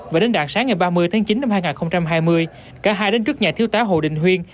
và đến dạng sáng ngày ba mươi tháng chín năm hai nghìn hai mươi cả hai đến trước nhà thiếu tá hồ đình huyên